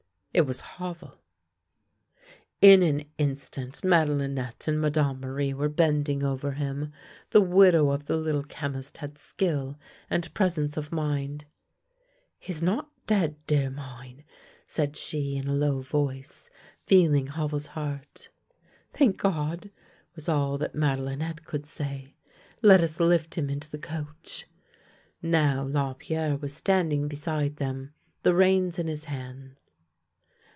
It was Havel. In an instant Madelinette and Ma dame Marie were bending over him. The widow of the Little Chemist had skill and presence of mind. " He is not dead, dear mine," said she, in a low voice, feeling Havel's heart. " Thank God! " was all that Madelinette could say. " Let us lift him into the coach." Now Lapierre was standing beside them, the reins in his hand.